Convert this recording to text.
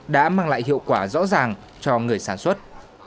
đã mang lại hiệu quả rõ ràng cho người sản xuất